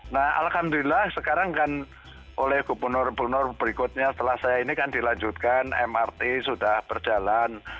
nah alhamdulillah sekarang kan oleh gubernur gubernur berikutnya setelah saya ini kan dilanjutkan mrt sudah berjalan